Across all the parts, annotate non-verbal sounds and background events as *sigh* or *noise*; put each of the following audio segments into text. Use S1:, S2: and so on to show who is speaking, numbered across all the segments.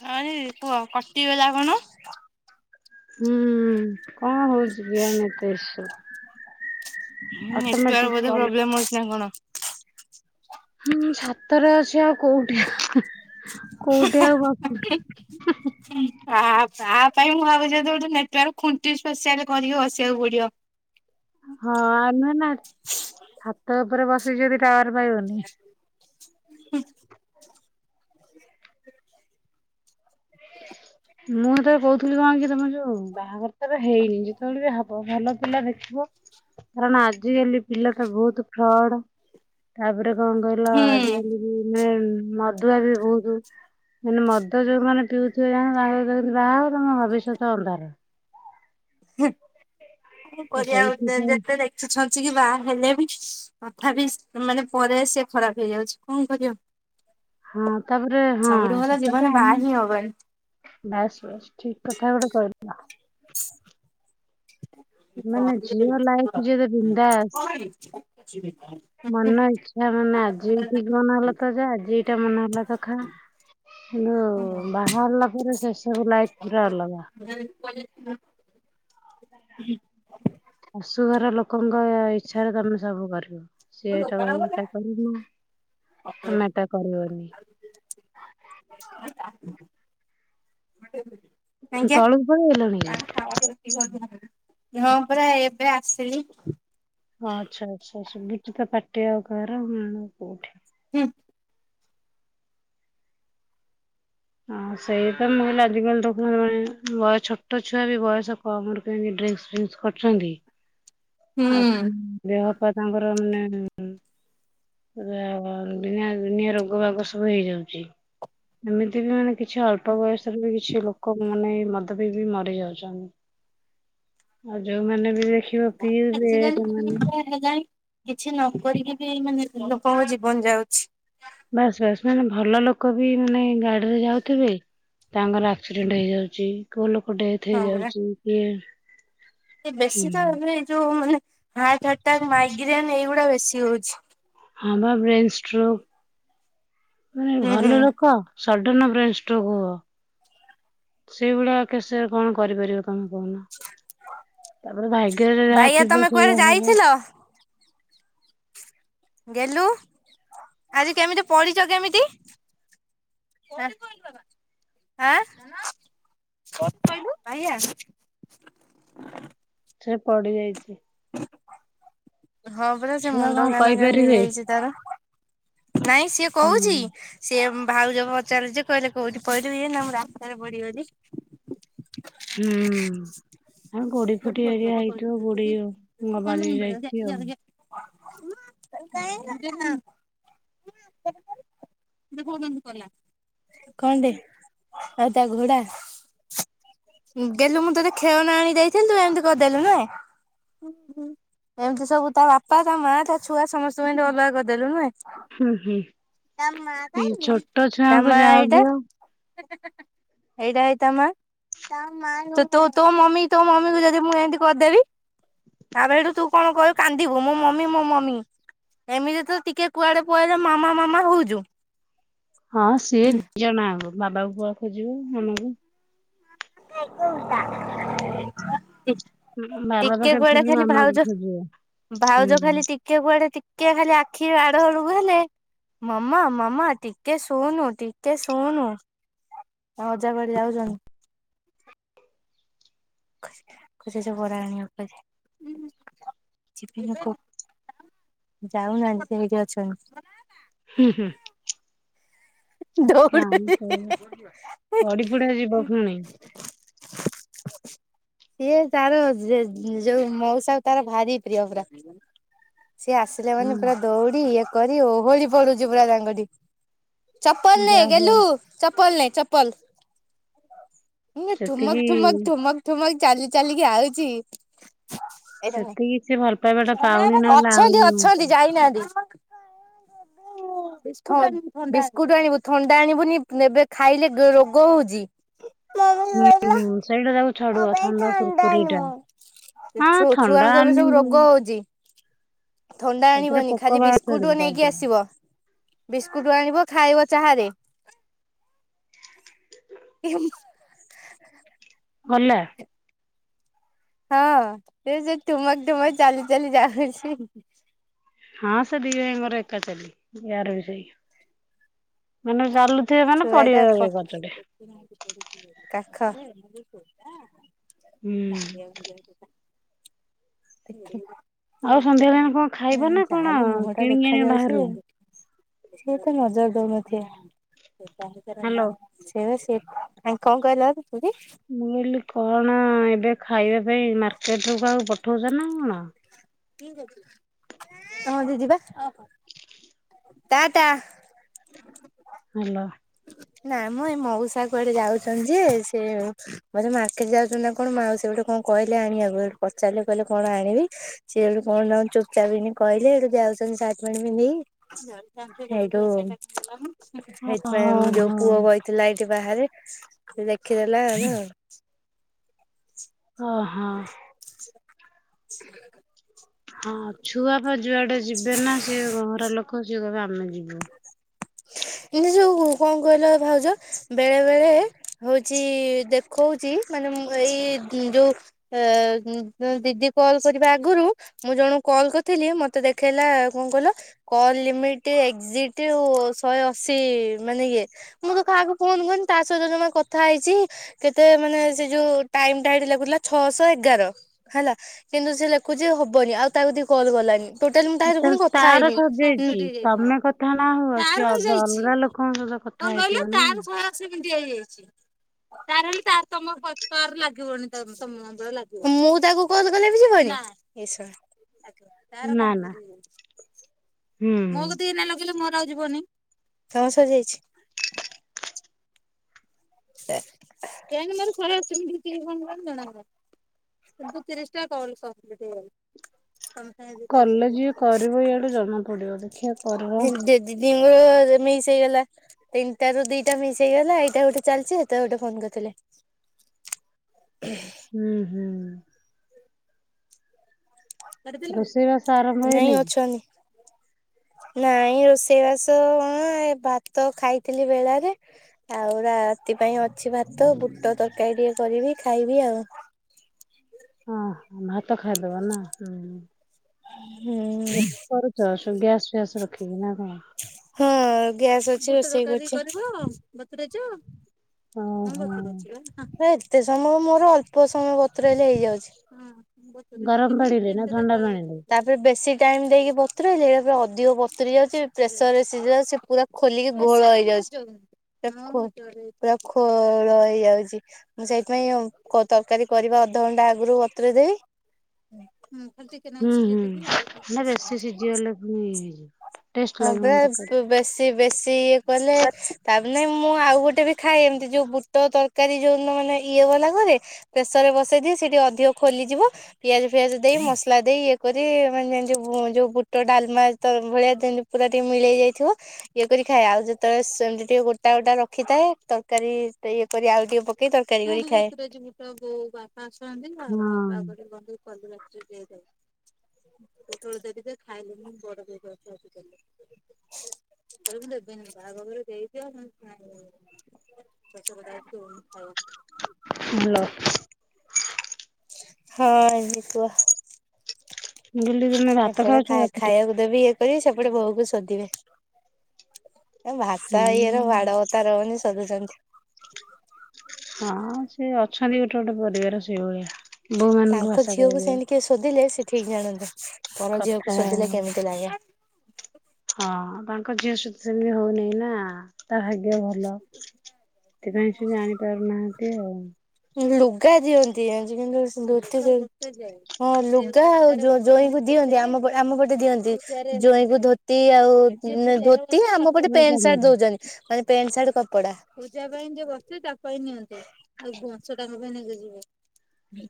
S1: ହଁ ଦିଦି କୁହ କଟିଗଲା କଣ?
S2: ହୁଁ କଣ ହଉଚି କି ଏମିତି ଶୁ
S1: ହୁଁ ନେଟୱର୍କ ବୋଧେ ପ୍ରୋବ୍ଲେମ ହଉଛି ନା କଣ?
S2: ହଁ ମୁଁ ଛାତରେ ଅଛି ଆଉ କୋଉଠି? କୋଉଠି ଆଉ ବସିବି?
S1: ଆ ଆ ପାଇଁ ମୁଁ ଭାବୁଚି ବୋଧେ ଗୋଟେ ନେଟୱର୍କ ଖୁଣ୍ଟି ସ୍ପେସିଆଲ କରିକି ବସିବାକୁ ପଡିବ।
S2: ହଁ ନୁହେଁ ନା ଛାତ ଉପରେ ବସି ଯଦିକି ଟାୱାର ପାଇବନି
S1: *unintelligible*
S2: ମୁଁ ତବେ କହୁଥିଲି କଣ କି ତମ ଯୋଉ ବାହାଘର ତ ହେଇନି, ଯେତେବେଳେ ବି ହବ ଭଲ ପିଲା ଦେଖିବ। କାରଣ ଆଜିକାଲି ପିଲା ତ ବହୁତ ଫ୍ରଡ, ତାପରେ କଣ କହିଲା
S1: ହୁଁ।
S2: ଆଜିକାଲି ବି ନୂଆ ଆଇନି ମଦୁଆ ବି ବହୁତ, ମାନେ ମଦ ଯୋଉମାନେ ପିଉଥିବେ *unintelligible* ବାହାହବ ତମ ଭବିଷ୍ୟତ ଅନ୍ଧାର।
S1: ହୁଁ, କଣ
S2: ତ
S1: କରିବା ଆଉ,
S2: ସେଇଥିପାଇଁ
S1: ଯେତେ ଦେଖୁଛନ୍ତି କି ବାହା ହେଲେ ବି ତଥାପି ମାନେ ପରେ ସେ ଖରାପ ହେଇଯାଉଛି କଣ କରିବ?
S2: ହଁ ତାପରେ ହଁ,
S1: ସବୁଠୁ ଭଲ
S2: ସେଟା
S1: ଜୀବନ
S2: ତ
S1: ବାହା
S2: ଆମ
S1: ହିଁ ହବନି।
S2: ବାସ ବାସ, ଠିକ କଥା ଗୋଟେ କହିଲ। ମାନେ, ଝିଅ ଲାଇଫ ଯେତେ ବିନ୍ଦାସ
S1: ଯିବ
S2: ମନ ଇଛା ମାନେ, ଆଜି ଠିକ ମନହଲା ତ ଯ ଆଜି ଏଇଟା ମନେ ହେଲା ତଖା। *unintelligible* ବାହାହେଲା ପରେ ସେ ସବୁ ଲାଇଫ ପୁରା ଅଲଗା।
S1: ହଁ
S2: ଶାଶୁଘର ଲୋକଙ୍କ ଇଛାରେ ତମେ ସବୁ କରିବ। ସେଏଇଟା ଏଟା କରିନୁ।
S1: ଆ *unintelligible*
S2: ତମେ
S1: ଆଜ୍ଞା,
S2: ତଳକୁ ପଳେଇ ଆଇଲଣି କି?
S1: *unintelligible* ହଁ ପରା ଏବେ ଆସିଲି।
S2: ହଁ ଆଛା ଆଛା ଆଛା, ଗୋଟେତ ପଟିଆ ଆଉ ଘରଁ କୋଉଠି
S1: ହୁଁ
S2: ହଁ ସେଇ ତ ହେଲେ ଆଜିକାଲି ଦେଖ ମାନେ ବୟ ଛୋଟ ଛୁଆ ବି ବୟସ କମରେ କେହି ଡ୍ରି ଫସ କରଛନ୍ତି ଆଉ
S1: ହୁଁ।
S2: ଦେହ ପା ତାଙ୍କର ମାନେ ଆଉ ଡିଆ ଦୁନିଆ ରୋଗ ବାଗ ସବୁ ହେଇଯାଉଛି ଏମିତି ବି ମାନେ କିଛି ଅଳ୍ପ ବୟସରେ ବି କିଛି ଲୋକ ମାନେ ମଦ ପିଇକିବି ମରି ଯାଉଛନ୍ତି ଆଉ ଯୋଉମାନେ ବି ଦେଖିବ
S1: ଆଜିକାଲି
S2: *unintelligible*
S1: ହେଲାଣି କିଛି ନ କରିକି ବି ମାନେ ଲୋକଙ୍କ ଜୀବନ ଯାଉଛି।
S2: ବାସ ବାସ ମାନେ ଭଲ ଲୋକ ବି ମାନେ ଗାଡିରେ ଯାଉଥିବେ? ତାଙ୍କର ଆକ୍ସିଡେଣ୍ଟ ହେଇଯାଉଛି, କୋଉ ଲୋକ ଡେଥ
S1: ହଁ ପରା।
S2: ହେଇଯାଉଛି କିଏ
S1: ବେଶୀ ତ ଏ ଏଇ ଯୋଉ ମାନେ ହାର୍ଟ ଆଟାକ୍, ମାଇଗ୍ରେନ ଏଇଗୁଡା ବେଶୀ ହଉଛି।
S2: ହଁବା ବ୍ରେନ ଷ୍ଟ୍ରୋକ, ମାନେ
S1: ହୁଁ ହୁଁ
S2: ଭଲ ଲୋକ ସଡନ ବ୍ରେନ୍ ଷ୍ଟ୍ରକ୍ ହୁବ ସେଇଭଳିା କେ ସେ କଣ କରିପାରିବ କଣ କହୁନ? ତାପରେ ଭାଗ୍ୟରେ ଯାହା
S1: ବାଇଆ
S2: ଥିବ
S1: ତମେ କୁଆଡେ
S2: ସେଇଆ ହବ।
S1: ଯାଇଥିଲ? ଗେଲୁ ଆଜି କେମିତି ପଢିଛ କେମିତି? ଆ *unintelligible* କଣ କହିଲୁ? ଭାଇ ଆ
S2: ସେ ପଡିଯାଇଛି।
S1: ହଁ ପରା ସେ
S2: ଛୁଆ କଣ
S1: ମୁଣ୍ଡ କାନ କେମତି
S2: କହିପାରିବେ
S1: ହେଇଛି ତାର ନାଇଁ ସିଏ
S2: ହୁଁ
S1: କହୁଛି, ସିଏ ଭାଉଜ ପଚାରୁଚି କହୁଛି କୋଉଠି ପଇଲୁକି? ନା ମୁଁ ରାସ୍ତାରେ ପଡିଗଲି।
S2: ହୁଁ ଉଁ ଆ ଗୋଡି ଫୁଟି ଏରିଆ ହେଇଥିବ ଗୋଡି ବାଜି ଯାଇଥିବ ଆଉ
S1: *unintelligible* କଣଟେ ଆଉ ତା ଘୋଡ଼ା ଗଲୁ ମୁଁ ତୋତେ ଖେଳଣା ଆଣି ଦେଇଥିଲି, ତୁ ଏମିତି କରିଦେଲୁ ନାଇଁ ହୁଁ ହୁଁ, ଏମିତି ସବୁ ତା ବାପା, ତା ମା, ତା ଛୁଆ, ସମସ୍ତଙ୍କୁ ଏ ଅଲଗା କରି ଦେଲୁ ନୁହେଁ,
S2: ହୁଁ ହୁଁ।
S1: ତା ମା
S2: ଏଇ ଛୋଟ ଛୁଆଙ୍କୁ ଯାହା
S1: ଏଇଟା
S2: ଦିଅ
S1: ହେଇଟା ହେ ତା ମା, ତୋ ମମି ତୋ ମମି କୁ ଯଦି ମୁଁ ଏମତି କରିଦେବି? ତାପରଠୁ ତୁ କଣ କରିବୁ କାନ୍ଦିବୁ ମୋ ମମି ମୋ ମମି। ଏମିତି ତ ଟିକେ କୁଆଡେ ପଳେଇଲେ ମାମା ମାମା ହଉଚୁ।
S2: ହଁ ସିଏ ଜଣାହବ ବାବାକୁ କୁଆଡେ ଖୋଜିବ ମାମାକୁ।
S1: ଟା
S2: ହୁଁ, ବାବା ପାଖରେ ଥିଲେ ମାମାକୁ ଖୋଜିବ। ହୁଁ
S1: ଭାଉଜ ଖାଲି ଟିକେ କୁଆଡେ ଟିକେ ଖାଲି ଆଖି ଆ ତଳୁକୁ ହେଲେ ମାମା ମାମା ଟିକେ ଶୁନୁ ଟିକେ ଶୁଣୁ। ତାଙ୍କ ଅଜା କୁଆଡେ ଯାଉଚନ। *inaudible* ସେ ସବୁ ବରା ଆଣିବ କହିଥିଲେ। ଯିବିନା କ ଯାଉନାହାନ୍ତି ସେଇଠି ଅଛନ୍।
S2: ହୁଁ, ହୁଁ।
S1: ଦୌଡୁଛି
S2: ପଡିପୁଡା ଯିବ ଫୁଣି। *inaudible*
S1: ସିଏ ତାର ଯେ ଯୋଉ ମଉସା ତାର ଭାରି ପ୍ରିୟ ପୁରା। ସିଏ ଆସିଲେ ମାନେ
S2: ହଁ
S1: ପୁରା ଦୌଡି ଇଏ କରି ଓହଳି ପଡୁଚି ପୁରା ତାଙ୍କଠି। ଚପଲ ନେ
S2: ଯାହା ହଉ
S1: ଗେଲୁ ଚପଲ ନେ ଚପଲ। ନେ ଠୁମକ୍
S2: ସେତିକି
S1: ଠୁମକ୍ ଠୁମକ୍ ଠୁମକ୍ ଚାଲି ଚାଲିକି ଆଉଛି।
S2: ସେତିକି ସେ ଭଲ ପାଇବାଟା ପାଉନି ନହେଲେ ଆହୁରି
S1: ଅଛନ୍ତି
S2: ହୁଅନ୍ତା।
S1: ଅଛନ୍ତି ଯାଇନାହାନ୍ତି। ହଁ ବିସ୍ କୋଉଠୁ ଆଣିବୁ ଥଣ୍ଡା ଆଣିବୁନି ଏବେ ଖାଇଲେ ଗ-ରୋଗ ହଉଚି। ମ କହିଲ
S2: ହୁଁ ହୁଁ ସେଇଟା ତାକୁ
S1: ମୋ
S2: ଛାଡୁଅ
S1: ପାଇଁ
S2: ଥଣ୍ଡା
S1: ଣ୍ଡା
S2: କୁୁରକୁରି
S1: ଆଣ
S2: ଟା
S1: ମୁଁ *inaudible* ସେ
S2: ହଁ
S1: ଛୁ
S2: ଥଣ୍ଡା
S1: ଛୁଆଙ୍କୁ ଏବେ ସବୁ
S2: ଆଣିବୁ।
S1: ରୋଗ ହଉଚି। ଥଣ୍ଡା
S2: ସେଥିରେ
S1: ଆଣିବନି
S2: ପୋକ
S1: ଖାଲି ବିସ୍କୁଟ୍
S2: ବାହାରୁଛନ୍ତି
S1: ନେଇକି
S2: କହିଦିଅ
S1: ଆସିବ। ବିସ୍କୁଟ ଆଣିବ ଖାଇବ ଚାହାରେ। ଏ
S2: ହଁ ନା।
S1: ହଁ ସେ ଯେ ଠୁମକ୍ ଠୁମକ୍ ଚାଲି ଚାଲି ଯାଉଛି।
S2: ହଁ ସେ ଦି ଭାଇଙ୍କର ଏକା ଚାଲି। ୟାର ବି ସେଇ। ମାନେ ଚାଲୁଥିବେ ମାନେ
S1: ଛୁଆ ଟା
S2: ପଡିିବେ
S1: ପ
S2: କଚାଡି।
S1: କାଖ
S2: ହୁଁ।
S1: ଦେଖେ
S2: ଆଉ ସନ୍ଧ୍ୟାବେେଳେ କଣ ଖାଇବ ନା କଣ
S1: ମୁହଁ ଟା
S2: କିଣିକି
S1: ଦେଖା
S2: ଆଣିବ
S1: ଯାଉଛି
S2: ବାହାରୁ?
S1: ସିଏ ଏତ ମଜା ଦଉନଥିବେ
S2: ହାଲୋ।
S1: ସେରା ସେ ସେ ଆଉ କଣ କହିଲ କି?
S2: ମୁଁ କହିଲି କଣ ଏବେ ଖାଇବା ପାଇଁ ମାର୍କେଟ ରୁ କାହାକୁ ପ ଠଉଚ ନା କଣ?
S1: ତୋମ ଦିଦି ପା। ଟା ଟା।
S2: ହାଲୋ।
S1: ନା ମୋ ଏ ମଉସା କୁଆଡେ ଯାଉଛନ୍ତି ଯେ ସେ ବୋଧେ ମାର୍କେଟ୍ ଯାଉଛନ୍ତି ନା କଣ ମାଉସୀ ଗୋଟେ କଣ କହିଲେ ଆଣିବାକୁ ସେଉଠୁ ପଚାରିଲେ କହିଲେ କଣ ଆଣିବି ସିଏ ସେଠୁ କଣ ତାଙ୍କ ଚୁପ ଚାପନି କହିଲେ। ସେଉଠୁ ଯାଉଛନ୍ତି ସାର୍ଟ ପେଣ୍ଟ ପିନ୍ଧିକି। ସେଇଠୁ ସେଇଥିପାଇଁ ଯୋଉ
S2: ଓହୋ
S1: ପୁଅ ବଇଥିଲା ଏଇ ସିଏ ବାହାରେ ସେ ଦେଖିଦେଲା ଆଉ ନା।
S2: ଓ ହଁ।
S1: *inaudible*
S2: ହଁ ଛୁଆ ଫ ଯୁଆଡେ ଯିବେ ନା ସିଏ ଘର ଲୋକ ସିଏ କହିବେ ଆମେ ଯିବୁ।
S1: ଏଇନେ ସବୁ କଣ କହିଲ ଭାଉଜ ବେଳେ ବେଳେ ହଉଛି ଦେଖଉଚି ମାନେ ମୁଁ ଏଇ ଉଁ, ଯୋଉ ଅ, ଉଁ, ଜଣେ ଦିଦି କଲ୍ କରିବା ଆଗୁରୁ ମୁଁ ଜଣ କଲ୍ କରିଥିଲି ମତେ ଦେଖେଇଲା କଣ କହିଲ କଲ ଲିମିଟଏଜିଟ। ଶହେ ଅଶୀ ମାନେ ଇଏ ମୁଁ ତ କାହାକୁ ଫୋନ କନି ତା ସହିତ ଜମା କଥା ହେଇଛି କେତେ ମାନେ ସେ ଯୋଉ ଟାଇମଟା ଲେଖୁ ଥିଲା ଛଅଶହ ଏଗାର ହେଲା କିନ୍ତୁ ସେ ଲେଖୁଛି ହବନି। ମତେ ଆଉ କଲ କଲାନି ଟୋଟାଲି ମୁଁ ତା ସହ ଫୁଣି
S2: ଯେତେବେଳେ
S1: କଥା
S2: ତାର
S1: ହେଇନି।
S2: ସରିଯାଇଛି ତମେ କଥା ନ ହୁଅ
S1: ତ
S2: ସିଏ ଅଦ
S1: ହେଇଯାଇଛି
S2: ଅଲଗା ଲୋକଙ୍କ ସହିତ କଥା
S1: କଣ କହିଲ
S2: ହେଇଥିବ ନା
S1: ତାର ଶହେ ଅଶି ମିନିଟ୍ ହେଇଯାଇଛି। ତାର ହେଲେ ତାର ତମ ତ ଲାଗିବନି ତ ଲାଗିବ ମୁଁ ତାକୁ କଲ କଲେ ବି ଯିବନି। ଏ! ! ! ! ! ! ! ! ! ! ତାର
S2: ନା ନା
S1: କମ୍ପିଲିଟ ହେଇଯାଇଛି
S2: ହୁଁ
S1: ଏଇନା ମୋ ପାଖକୁ ଲଗେଇଲେ ପା ମୋର ଆଉ ଯିବନି ତୋର ସବୁ ସରି ଯାଇଛି? କାହିଁକି ମୋର ଶହେ ଅଶୀ ମିନିଟ୍ *unintelligible* କିନ୍ତୁ ତିରିଶଟା କଲ୍ କମ୍ପିଲିଟ ହେଇ
S2: କଲେ ଯିଏ କରିବ ଇଆଡୁ ଜଣା ପଡିବ ଦେଖିବା କରିବ
S1: *unintelligible* ମିସ୍ ହେଇଗଲା ତିନିଟା ରୁ ଦିଟା ମିଶ ହେଇଗଲା ଏଇଟା ଗୋଟେ ଚାଲିଛି ସେତେବେଳେ ଗୋଟେ ଫୋନ କରିଥିଲେ।
S2: ହୁଁ ହୁଁ। ରୋଷେଇବାସ ଆରମ୍ଭ
S1: ନାଇଁ
S2: ହେଇନି?
S1: ଅଛନ୍ତି ନାଇଁ ରୋଷେଇବାସ କଣ ଭାତ ଖାଇଥିଲି ବେଳାରେ ଆଉ ରାତି ପାଇଁ ଅଛି ଭାତ, ବୁଟ ତରକାରୀ ଟିକେ କରିବି ଖାଇବି ଆଉ।
S2: ଓ ହୋ ଭାତ ଖାଇଦବା ନା ହୁଁ।
S1: ହୁଁ
S2: କରିଛ ଗ୍ୟାସ ଫ୍ୟାସ ରଖିବି କିି ନା କଣ?
S1: ହଁ ଗ୍ୟାସ ଅଛି ରୋଷେଇ ଅଛି ରୋଷେଇ କରୁଛି।
S2: ଓହୋ
S1: ଏତେ ସମୟ ମୋର ଅ ଅଳ୍ପ ସମୟ ବତୁରେଇଲେ ହେଲେ ଯାଉଛି
S2: ଗରମ ପାଣିରେ ନା ଥଣ୍ଡା ପାଣିରେ?
S1: ବେଶୀ ଟାଇମ ଦେଇକି ବତୁର ସେଇଟାପରେ ଅଧିକ ବତୁରି ଯାଉଛି। ପ୍ରେସରେ ସିଝିଲା ବେଳକୁ ସେ ପୁରା ଖୋଲିକି ଘୋଳ ହେଇଯାଉଛି। ପୁରା ଖୋଳ ହେଇଯାଉଛି ମୁଁ ସେଇଥିପାଇଁ ତରକାରୀ କରିବା ଦଣ୍ଡା ଆଗରୁ ବତୁରେଇ ଦେବି।
S2: ହୁଁ ହୁଁ ନା ବେଶୀ ସିଝିଗଲେ ପୁଣି ହେଇଯିବ।
S1: ହଁ
S2: ଲାଗିବନି ତରକାରୀ
S1: ପରା ବେଶୀ ବେଶୀ ଇଏ କଲେ ତାପ ନାଇଁ ମୁଁ ଆଉ ଗୋଟେ ବି ଖାଏ ଏମିତି ଯୋଉ ବୁଟ ତରକାରୀ ଯୋଉ ମାନେ ଇଏ ଗଲାପରେ ପ୍ରେସର ରେ ବସେଇଦିଏ। ସେଠି ଅଧିକ ଖୋଲିଯିବ ପିଆଜ ଫିଆଜ ଦେଇ ମସଲା ଦେଇ ଇଏ କରି ମାନ ଯୋଉ ବୁଟଟା ଆଲ ମା ତ ଭଳିଆ ଦିନ ପୁରା ଟିକେ ମିଳେଇ ଯାଇଥିବ ଇଏ କରି ଖାଏ ଆଉ ଯେତେବେଳେ ସେମିତି ଟିକେ ଗୋଟା ଗୋଟା ରଖିଥାଏ ତରକାରୀ ଇଏ କରି ଆଉ ଟିକେ ପକେଇ ତରକାରୀ କରି ଖାଏ। ଆସିଛନ୍ତି *unintelligible*
S2: ହଁ
S1: ଗୋଟେ ବନ୍ଧୁ କଲ ଆସ ଯ ଯାଉ ପୋଟଳ ଦେବିକ ଖାଇଲେ ମୁଁ ବଡ ଦେଇ ଅ ଗରମ ଦ ବନ ବାଗ ବର ଯାଇଛି। *unintelligible*
S2: ଭଲ।
S1: ହଁ ହେଇଥିବ।
S2: ମୁଁ କହିଲି ତମେ ଭାତ
S1: ଏପଟେ
S2: ଖାଉଛ ରାତିରେ
S1: ଖାଇବାକୁ ଦେବି ଇଏ କରି। ଏପଟେ ବୋଉ କୁ ଶୋଦିବେ ଏ ଭାଷା
S2: ହୁଁ।
S1: ଇଏର ବାଡ ବତା ରହୁନି। ଶୋଦୁଛନ୍ତି।
S2: ହଁ ସେ ଅଛନ୍ତି ଗୋଟେ ଗୋଟେ ପରିବାର ସେଇଭଳିଆ ବୋଉ ମା
S1: ତାଙ୍କ ଝିଅକୁ ସେମିତି କିଏ ଶୋଦିଲେ ସେ ଠିକ ଜାଣନ୍ତେ ପର
S2: କଥା
S1: ଝିଅକୁ ଶୋଧିଲେ କେମିତି ଲାଗେ? *inaudible*
S2: ହଁ ତାଙ୍କ ଝିଅ ସତ ସେମିତି ହଉନି ନା? ତା ଭାଗ୍ୟ ଭଲ ସେଥିପାଇଁ ସେ ଜାଣି ପାରୁନାହାନ୍ତି ଆଉ।
S1: ଲୁଗା ଦିଅନ୍ତି ଆଜି ହଁ ଲୁଗା ଆଉ ଜଇଁକୁ ଦିଅନ୍ତି ଆମ ଆମ ପଟେ ଦିଅନ୍ତି ଜଇଁକୁ ଧୋତି ଆଉ ଆମ ଗୋଟେ
S2: ମୁଁ
S1: ପ୍ୟାଟ ସାର୍ଟ
S2: ଜାଣିନି।
S1: ଦଉଛନ୍ତି ମାନେ ପେଣ୍ଟ ସାର୍ଟ କପଡା ପୂ ଯା ପାଇଁ ଯଏ ବସେ ତା ପାଇଁ ନିଅନ୍ତୁ ଆଉ ବଶ ଟାଙ୍କ ପାଇଁ ନେଇକି ଯିବେ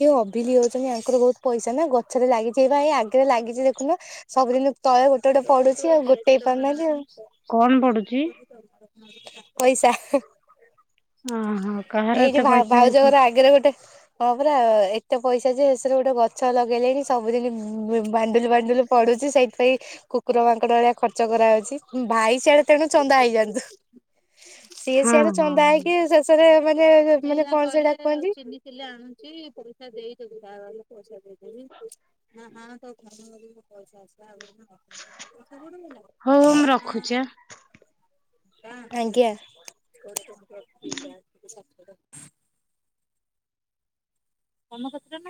S1: ଯଉ ଅଭିଲି ହଉଛନ୍ତି, ଆଙ୍କର ବହୁତ ପଇସା ନା ଗଛରେ ଲାଗିଛି ଆଗରେ ଲାଗିଛି ଦେଖୁନୁ ତଳେ ଗୋଟେ ଗୋଟେ ପଡୁଛି ଆଉ ଗୋଟେଇ ପାରୁନାହାନ୍ତି ଆଉ।
S2: କଣ ପଡୁଛି
S1: ପଇସା
S2: ଓହୋ କାହାର
S1: ଏଇଠି
S2: ଏତେ
S1: ଭ
S2: ପଇସା ହେଇଛି
S1: ଭାଉଜଙ୍କର ଆଗରେ ଗୋଟେ ହଁ ପୁରରା ଏତେ ପଇସା ଯେ ସେସରେ ଗୋଟେ ଗଛ ଲଗେଇଲେଣି, ସବୁଦିନ ବାଣ୍ଡୁଲି ବାଣ୍ଡୁଲି ପଡୁ ସେଇଥିପାଇଁ କୁକୁର ମାଙ୍କଡ ଭଳିଆ ଖର୍ଚ କରାଉଛି ଭାଇ ସିଆଡେ ତେଣୁ ଚନ୍ଦା ହେଇଯାଆନ୍ତୁ। ସିଏ
S2: ହଁ
S1: ସିଏରେ
S2: ହଁ।
S1: ଚନ୍ଦା ହେଇକି ଶେଷରେ ମାନେ ମାନେ କଣ ସେଇଟା କୁହନ୍ତିି ଆଣୁଛି ପଇସା ଦେଇଦବଲେ ପଇସା ଦେଇଦବ ହଁ ତ ପଇସା ଆସ ଆଇ
S2: ହଉଉ ମୁଁ ରଖୁଛି ଆ
S1: ଆଜ୍ଞା। କନପତ୍ର ନା